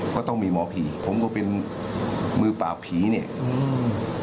ก็ต้องมีหมอผีผมก็เป็นมือปราบผีเนี่ยอืม